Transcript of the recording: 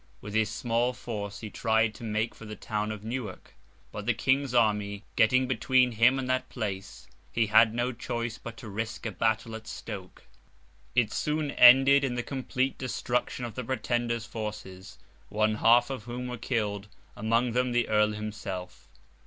With his small force he tried to make for the town of Newark; but the King's army getting between him and that place, he had no choice but to risk a battle at Stoke. It soon ended in the complete destruction of the Pretender's forces, one half of whom were killed; among them, the Earl himself.